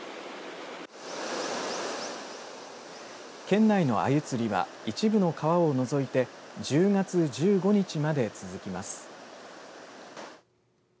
県内のアユ釣りは一部の川を除いて１０月１５日まで続きます。